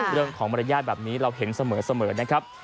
เรื่องของมารยาทแบบนี้เราเห็นเสมอนะครับ